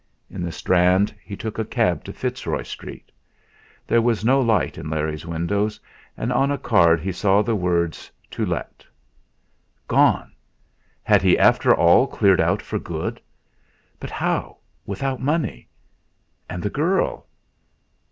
In the Strand he took a cab to Fitzroy Street. There was no light in Larry's windows, and on a card he saw the words "To Let." Gone! Had he after all cleared out for good? But how without money? And the girl?